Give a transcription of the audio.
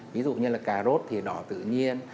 ví dụ như là cà rốt thì đỏ tự nhiên